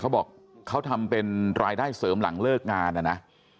เขาบอกเขาทำเป็นรายได้เสริมหลังเลิกงานนะนะ